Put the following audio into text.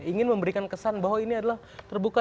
ingin memberikan kesan bahwa ini adalah terbuka